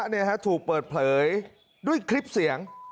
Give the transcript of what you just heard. นี่ฮะถูกเปิดเผยด้วยคลิปเสียง